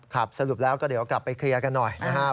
สรุปแล้วก็เดี๋ยวกลับไปเคลียร์กันหน่อยนะฮะ